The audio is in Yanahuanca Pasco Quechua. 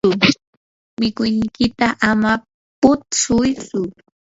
mikuynikiyta ama puksuytsu.